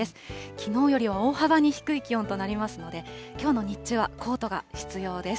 きのうよりは大幅に低い気温となりますので、きょうの日中はコートが必要です。